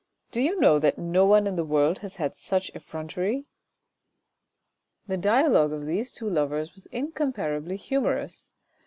Do you know that no one in the world has had such effrontery ?" The dialogue of these two lovers was incomparably humourous.